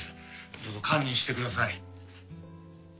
どうぞ堪忍してください。